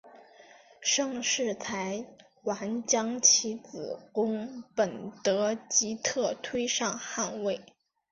盛世才还将其子恭本德吉特推上汗位。